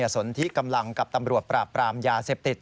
สนที่กำลังกับตำรวจปราบปรามยาเสพติด